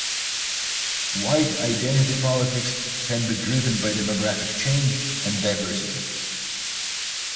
White identity politics can be driven by demographic change and diversity.